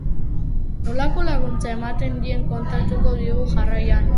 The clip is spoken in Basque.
Nolako laguntza ematen dien kontatuko digu jarraian.